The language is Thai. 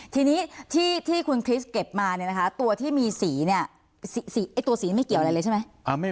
ทีนี้ที่คุณคริสเก็บมาเนี่ยนะคะตัวที่มีสีเนี่ยตัวสีไม่เกี่ยวอะไรเลยใช่ไหม